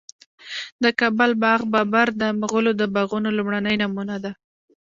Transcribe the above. د کابل باغ بابر د مغلو د باغونو لومړنی نمونه ده